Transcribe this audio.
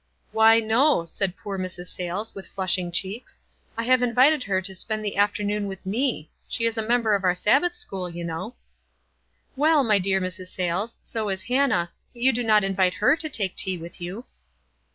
"Why, no ," sa i(J poor Mrs. Sayles, with flush ing cheeks, "I have invited her to spend the afternoon with me. She is a member of our Sabbath school, you know." "Well, my dear Mrs. Sayles, so is Hannah, but you do not invite her to take tea with you."